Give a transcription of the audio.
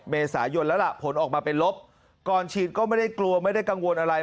เมษายนแล้วล่ะผลออกมาเป็นลบก่อนฉีดก็ไม่ได้กลัวไม่ได้กังวลอะไร